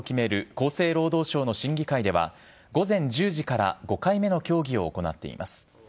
厚生労働省の審議会では午前１０時から５回目の協議を行っています。